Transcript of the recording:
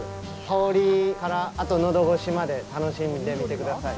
香りから、あとのどごしまで楽しんでみてください。